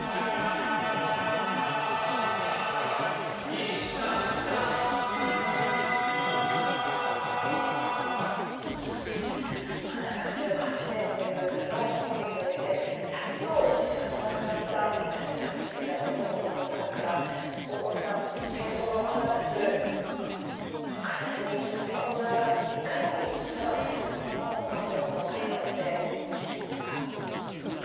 ニトリ７８年という長い年月を経てやっと叔父さんの亡くなった場所にたどり着いた宮里さんの姿から大越さん、戦争がもたらす悲しみ、混乱がいかに長く続くものなのかというのを改めて思い知りました。